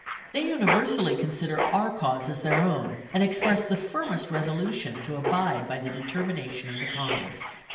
They universally consider our cause as their own, and express the firmest resolution to abide by the determination of the Congress.